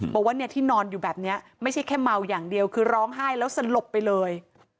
บอกว่าเนี่ยที่นอนอยู่แบบนี้ไม่ใช่แค่เมาอย่างเดียวคือร้องไห้แล้วสลบไปเลย